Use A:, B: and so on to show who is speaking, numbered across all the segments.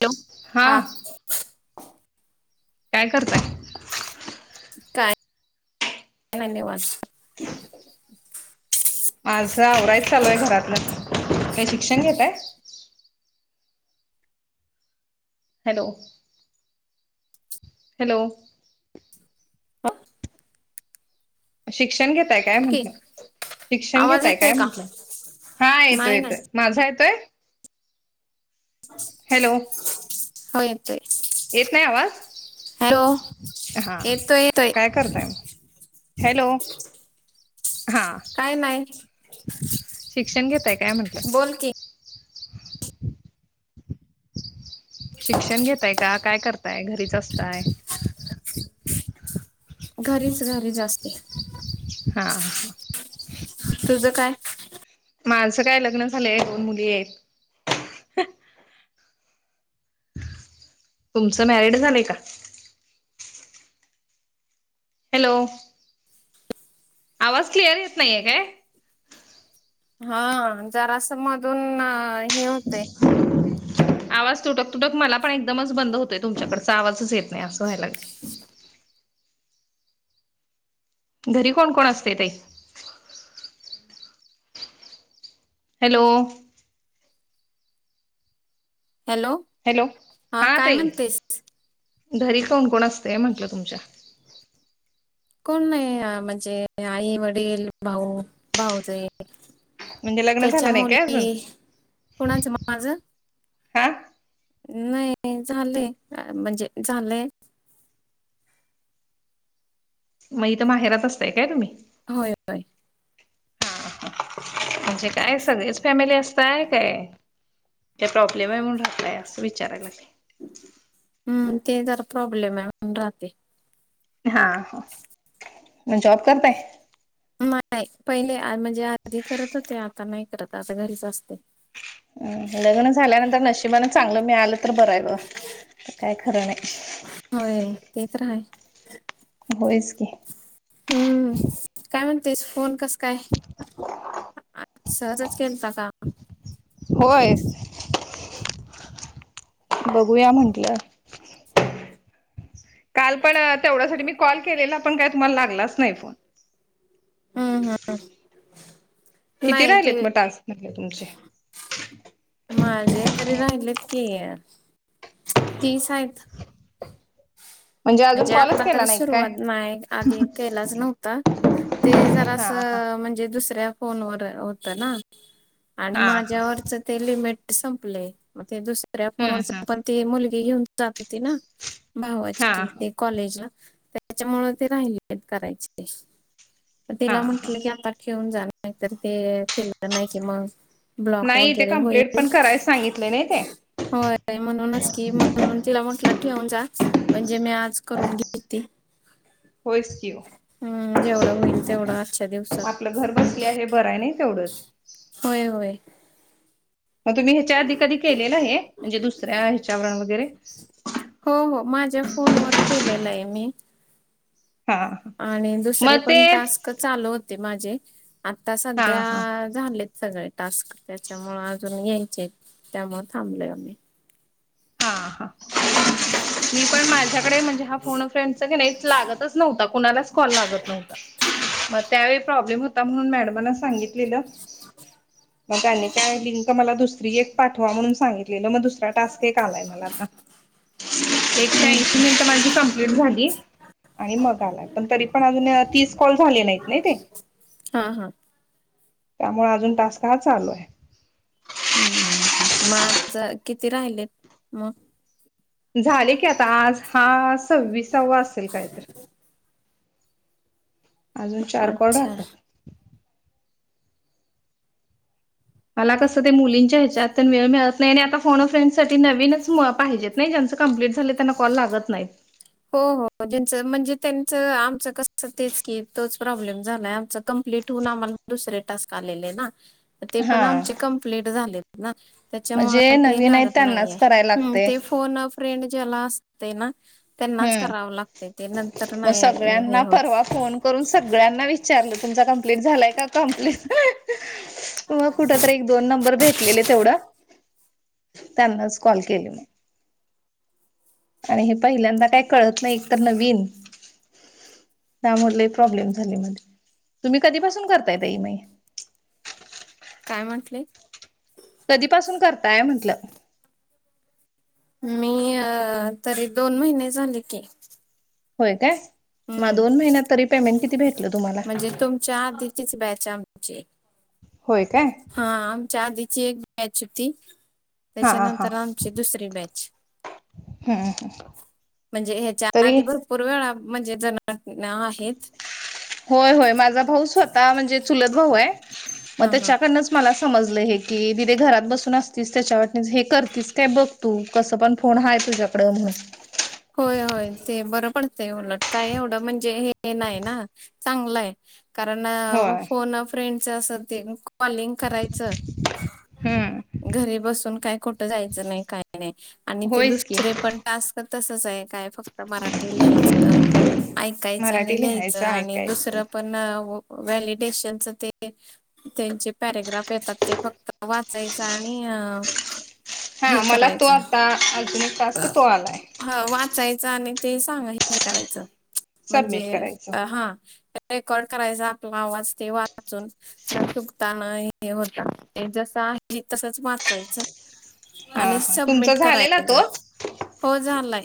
A: Hello
B: हा
A: हां. काय करताय?
B: काय काय नाई निवांत.
A: माझं आवरायचं चालूय घरातलं, काय शिक्षण घेताय? हॅलो. हॅलो. शिक्षण घेताय काय
B: की
A: म्हंटलं? शिक्षण
B: आवाज
A: घेताय
B: येतोय
A: काय
B: का
A: म्हंटलं? हां येतोय
B: नाही
A: येतोय
B: नाही
A: माझा येतोय? हॅलो
B: हो येतोय.
A: येत नाही आवाज?
B: हॅलो
A: हां
B: येतोय येतोय
A: काय करताय म? हॅलो हां.
B: काय नाही
A: शिक्षण घेताय काय म्हंटलं?
B: बोल की.
A: शिक्षण घेताय का? काय करताय? घरीच असताय?
B: घरीच घरी असते.
A: हा हा.
B: तुझं काय?
A: माझं काय लग्न झालंय दोन मुली आहेत. तुमचं मॅरिड झालंय का हॅलो आवाज क्लिअर येत नाहीये काय
B: हा जरासमधून हे होते
A: आवाज तुटक तुटक मला पण एकदमच बंद होतोय तुमच्याकडचा आवाजच येत नाही असं व्हायला लागत घरी कोण कोण असते ते हॅलो.
B: हॅलो.
A: हॅलो
B: हा
A: हां
B: काय
A: ताई
B: म्हणतेस
A: घरी कोण कोण असतय म्हंटलं तुमच्या?
B: कोण नाही अ म्हंजे आई-वडील, भाऊ-भाऊजय.
A: म्हणजे लग्न
B: त्याच्या
A: झालं नाही काय अजून
B: मुली, कोणाचं माझं?
A: हा
B: नाही झालेय म्हणजे झालंय.
A: मग इ तर माहेरात असतय काय तुम्ही
B: होय होय
A: हा म्हणजे काय सगळीच फॅमिली असत आहे काय ते प्रॉब्लेम आहेणूनकलाय असं विचारायला लागे
B: हम्म ते जरा प्रॉब्लेम आहे म्हण राहते
A: हा मग जॉब करताय
B: नाही पहिले म्हणजे आधी करत हो ते आता नाही करत आता घरीच असते
A: हम लग्न झाल्यानंतर नशिबाने चांगलं मी आलं तर बरायल काय खरं नाही
B: होय तेच राहाय
A: होस क
B: हम्म काय म्हणतेस फोन कस काय सहजच केलता का
A: होय बघूया म्हंटलं काल पण तेवढ्यासाठी मी कॉल केलेला पण काय तुम्हाला लागलाच नाही फोन
B: हम्म हम्
A: किती राहिलेत मग टास्क मधले तुमचे
B: माझे तरी राहिलेत क तीच आहेत
A: अजून
B: म्हणजे
A: कॉलच
B: आता तर
A: केला नाही काय
B: सुरुवात नाही आधी केलाच नव्हता ते जरा
A: हा हा
B: असं म्हणजे दुसऱ्या फोनवर होत ना आणि
A: हा हा
B: माझ्यावरच ते लिमिट संपले मग ते दुसऱ्या
A: हम्म
B: फोनवर
A: हम्म
B: ते मुलगी घेऊन जात होते ना
A: हा
B: भावाची ते कॉलेजला त्याच्यामु ते राहिले करायचे
A: हा
B: तिला
A: हा
B: म्हंटलं की आता ठेऊन जाणतर ते केलं नाही कि मग ब्लॉक
A: नाही ते
B: वगैरे
A: कम्प्लीट
B: होईल
A: पण करायच सांगितले नाही ते
B: होय म्हणूनच की म्हणून तिला म्हटलं ठेऊून जा म्हणजे मी आज करून घेते
A: होच किओ
B: हम्म जेवढं होईल तेवढं आजच्या दिवसात
A: आपलं घर कसली आहे हे बरं आहे नाही तेवढंच
B: होय होय
A: मग तुम्ही ह्याच्या आधी कधी केलेलं आहे म्हणजे दुसऱ्या ह्याच्यावरण वगैरे
B: हो हो माझ्या फोनवरर केलेला आहे मी
A: हा
B: आणि दुसरे
A: मग ते
B: पण टास्क चालू होते माझे आता
A: हा
B: सध्या
A: हा
B: झालेत सगळे टास्क त्याच्यामु अजून यायचे त्यामु थांबलय आम्ही
A: हा हा मी पण माझ्याकडे म्हणजे हा को फ्रेंड नाही लागतच नव्हता कुणालाच कॉल लागत नव्हता मग त्यावेळी प्रॉब्लेम होता म्हणून मॅडमला सांगितलेलं मग त्यांनी काय लिंक मला दुसरी एक पाठवा म्हणून सांगितलेलं मग दुसऱ्या य मला आ एक
B: हम्म.
A: ऐशी मिनट माझी कंप्लीट झाली आणि मग आला पण तरी पण अजून तीस कॉल झाले नाहीत नाही ते
B: हा हा
A: त्यामुळे अजून तास का चालू आहे
B: ह् माझ किती राहिले मग
A: झाले की आता आज हा सव्वीसावा असेल काय तर अजून चार कोडा
B: अच्छा.
A: आता मला कसं ते मुलींच्या ह्याच्यात तेन पण वेळ मिळत नाही आणि आता फोनआप फ्रेंडसाठी नवीनच पाहिजेत नाही ज्यांचं कंप्लीट झाले त्यांना कॉल लागत नाही.
B: हो हो ज्यांचं म्हणजे त्यांचं आमचं कस तेच की तोच प्रॉब्लेम झालाय आमचा कंप्लीट हो दुसरे टास्क आलेले ना. ते पण
A: हा
B: आमचे कम्प्लीट झाले ना.
A: म्हणजे
B: त्याच्यामुळे ते
A: नवीन आहेत
B: लागत
A: त्यांनाच करायला
B: नाहीये
A: लागते
B: ते फोन अप फ्रेंड ज्याला असते ना. त्यांनाच करावं लागते ते नंतर
A: हम्म मग
B: नाही हे
A: सगळ्यांना
B: होत
A: परवा फोन करून सगळ्यांना विच विचारल तुमचा कंप्लीट झालाय का कम्प्लीट मग कुठ तर एक दोन नंबर भेटलेले तेवढं त्यांना कॉल केलेला आणि हे पहिल्यांद काय कळत नाही एकत नविन त्यामुळे लय प्रॉब्लेम झाले म्हणजे तुम्ही कधीपासून करतायेतई
B: काय म्हटले
A: कधीपासून करताय म्हंटलं.
B: मी अ तरी दोन महिने झाले की.
A: होय काय मग
B: हम्म
A: दोन महिन्यात तरी पेमेंट किती भेटलं तुम्हाला.
B: चार दितीच बॅचा आमची.
A: होय काय.
B: हा आमच्या आधीचे एक बॅच होती.
A: हा हा
B: त्याच्यानंतर आमची दुसरी बॅच.
A: हम्म
B: म्हणजे ह्याच्या
A: तरी
B: आधी भरपूर वेळा म्हणजे ज [inaudible]
A: होय होय माझा भाऊ स्वत म्हणजे चुलत भाऊ आहे मग
B: हा हा
A: त्याच्याकड मी मला समजलं हे की दिदे घरात बसून असतीस त्याच्या वाटने हे करतीस काय बघ तू कसं पण फोन हाय तुझ्याकड म्हणून
B: होय होय ते बरं पडतंय उलट काय एवढं म्हणजे हे नाही ना. चांगलं आहे कारण
A: होय
B: फोन फ्रेंडच अस ते कॉलिंग करायचं.
A: हम्म
B: घरी बसून काय कुठं जायचं नाही काय नाही आणि ते
A: होयच की
B: दुसरे पण टस्क तसच आहे काय फक्त मराठी लिहायच ऐकायचं आणि
A: मराठी
B: लियचं
A: लिहायचं
B: आणि
A: ऐकायचं
B: दुसर पन ना व व्हॅलिडेशनच ते त्यांचे पॅरेग्राफ येतात ते फक्त वाचायचं आणि अ
A: हा मला तो आता अजून एक टास्क तो आलाय.
B: ह वाचायचं आणि ते सांग हे करायचं म्हणजे
A: सबमिट करायचं
B: हा रेकॉर्ड करायचा आपला आवाज ते वाचून. चुकताना हे होता जस आहे तसच वाचायचं [inaudible]
A: हा
B: आणि
A: हा तुमचा
B: सबमिट
A: झालेला
B: करायच
A: तो
B: हो झालाय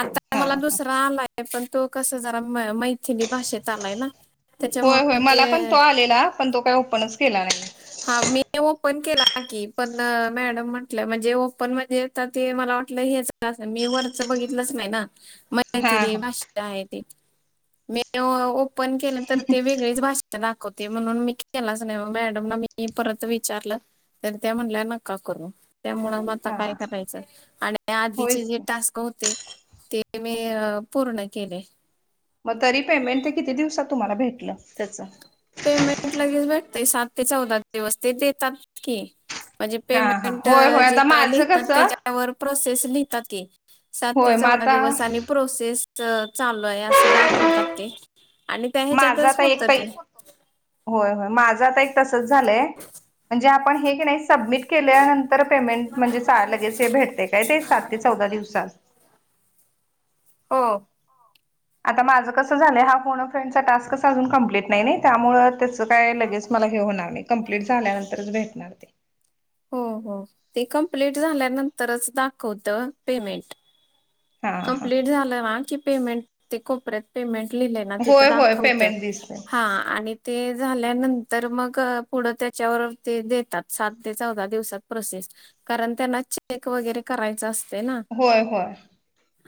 B: आता
A: हा
B: मला
A: हा
B: दुसरा [inaudible] आलाय पण तो कस जरा मैथिली भाषेत आलाय ना.
A: होय होय
B: त्याच्यामुळं
A: मला पण तो
B: ते
A: आलेला पण तो काही ओपनच केला नाही.
B: हा मी ओपन केला की पण मॅडम म्हटलं म्हणजे ओपन म्हणजे आता ते मला वाटलं हेच मी वरच बघितलंच नाही ना म [inaudible]
A: हा हा
B: का आहे ते [unintelligible] मी ओपन केले तर ते वेगळीच भाषा दाखवते म्हणून मी केलाच नाही मॅड मॅडमला मी परत विचारलं त्या म्हल्या नका कर त्यामुळे आता
A: हा
B: काय
A: हा
B: कराय आणि आधीचे
A: होयच
B: जे
A: की.
B: टास्क होते ते ते मी पूर्ण केले
A: मग तरी पेमेंट ते किती दिवसात तुम्हाला भेटलं त्याच
B: पेमेंट लगेच भेटतेय सात ते चौदा दिवस ते देतात की म्हणजे
A: हा हा
B: पेमेंट
A: होय होय आता
B: जेवली
A: माझं
B: तर
A: कसं
B: त्याच्यावर प्रोसेस लिहता ती सात ते
A: होय मग
B: चौदा
A: आता
B: दिवस आणि प्रोसेस चालू आहे असं दाखवतात ते आणि त्या
A: माझा
B: ह्याच्यातच
A: आता
B: होत
A: एक पै
B: ते.
A: होय होय माझं आता एक तसच झालंय म्हणजे आपण हे की नाही. सबमिट केल्यानंतर पेमेंट म्हणजे लगेच हे भेटते काय ते सात ते चौदा दिवसात.
B: हो
A: आता माझं कसं झालंय हा पूर्ण फ्रेंडचा टास्कच अजून कं्प्लीट नाही त्यामुळं त्याचं काय लगेच मला हे होणार नाही कंप्लीट झाल्यानंतरच भेटणार ते
B: हो हो ते कंप्लीट झाल्यानंतरच दाखवत पेमेंट
A: हा हा
B: कंप्लीट झालं ना की पेमेंट ते कोपऱ्यात पेमेंट लिहिलंय ना तिथं
A: होय होय
B: दाखवतं
A: पेमेंट दिसतय
B: हा आणि ते झाल्यानंतर मग पुढं त्याच्यावर ते देतात सात चौ दिव प्र कार त्यांना चेक वगैरे करायच असते
A: होय होय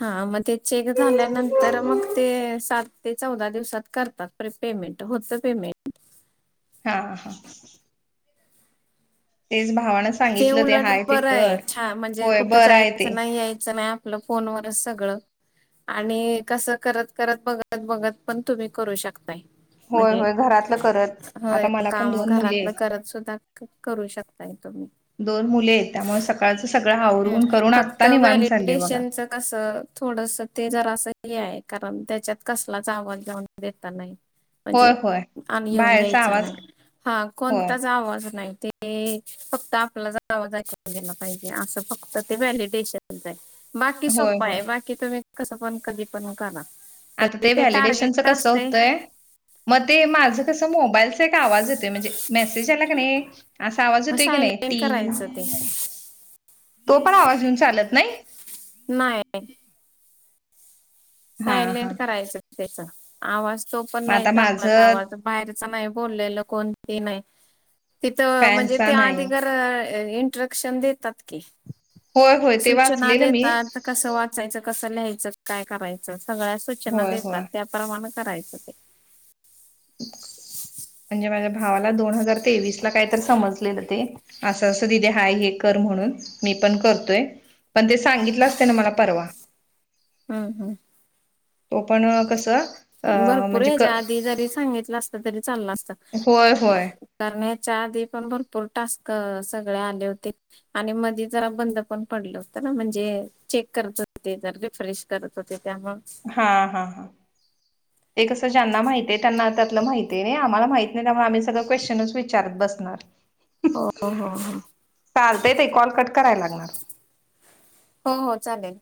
B: हा मग ते चेक झाल्यानंतर मग ते सात ते चौदा दिवसात करतात पेमेंट होतं पेमेंट
A: हा हा तेज
B: ते उलट बरं आहे छान म्हणजे
A: होय
B: कुठंच
A: बरं आहे ते
B: यायचं नाही यायचं ना मलं फोनवरच सगळं आणि कसं करत करत बघत बघत पण तुम्ही करू शकताय
A: होय
B: म्हणजे
A: होय घरातलं करत
B: होय
A: आता मला पण
B: काम
A: दोन मुली
B: घरातलं
A: आहेत
B: करत सुद्धा करू शकत
A: दोन मुले आहेत त्यामुळे सकाळचं सगळं आवरून करून आत्ता निवाण झाचालय बघा
B: कस थोडस ते जरा असं हे आहे कारण त्याच्यात कसलाच आवाज लाऊन देता नाही
A: होय
B: म्हणजे
A: होय
B: आ येऊन
A: बाहेरचा
B: द्यायचा
A: आवाज
B: नाही हा
A: होय
B: कोणताच आवाज नाही ते फक्त आपला जावा ग पाहिजे असं फक्त ते व्हॅलिडेशन बाकी
A: होय
B: सोपा
A: होय
B: आहे बाकी तुम्ही कसं पण कधी पण करा
A: आता
B: तरी
A: ते व्हॅलिडेशनचं
B: टार्गेट
A: कसं
B: असते
A: होतंय मग ते माझं कसं मोबाईलचा एक आवाज येत म्हणजे मेसेज आला की नाही असा आवाज
B: मग
A: होतोय की नाही
B: सायलेंट करायचं ते
A: ती तो पण आवाज येेऊन चालत नाही
B: नाहीय
A: हा
B: सायलेंट
A: हा
B: करायचं त्याचा आवाज तो पण
A: मग
B: नाही
A: आता
B: चालला
A: माझं
B: आवाज बाहेरच नाही बोललेलं कोणती नाही तिथं म्हणजे
A: फॅनचा
B: ते आधी
A: नाही
B: घर इंस्ट्रक्शन देतात की
A: होय होय ते
B: सूचना
A: वाचलेलं मी
B: देतत कसं वाचायचं कसं लिहायचं काय करायचं सगळ्या सूचना
A: होय होय
B: देतात त्या प्रमाण करायचं ते
A: म्हणजे माझ्या भावाला दोन हजार तेवीस ला काहीतर समजलेलं ते असं असं दिदी हाय हे कर म्हणून, मी पण करतोय पण ते सांगितलं असतं ना मला परवा.
B: हम् हम्
A: तो पण कसं? अ
B: भरपूर
A: म्हणजे क
B: ह्याच्या आधी जरी सांगितलं असतं तरी चाललं असतं.
A: होय होय.
B: कारण ह्याच्या आधी पण भरपूर टास्क सगळे आले होते. आणि मधी जरा बंद पण पडलं होतं ना, म्हणजे चेक करत होते ते जरा रिफ्रेश करत होते त्यामळं
A: हा हा हा ते कसं ज्यांना माहित आहे त्यांना त्यातलं माहित आहे नाही आम्हाला माहित नाही त्यामुळे आम्ही सगळं क्वेशचनच विचारत बसणार
B: हो हो ह
A: चालते ते कॉल कट करायला लागणार
B: हो हो चालेल